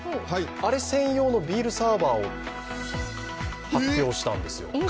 あれ専用のビールサーバーを発表したんですよ